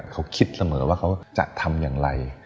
เขาคิดเสมอว่าเขาจะทำอย่างไร